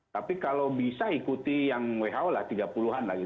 tapi kalau bisa ikuti yang who lah tiga puluh an lagi